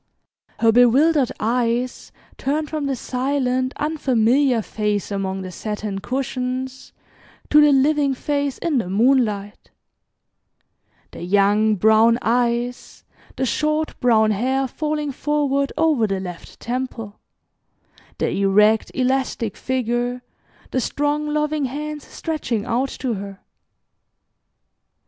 Her bewildered eyes turned from the silent, unfamiliar face among the satin cushions, to the living face in the moonlight, the young, brown eyes, the short, brown hair falling forward over the left temple, the erect, elastic figure, the strong loving hands stretching out to her.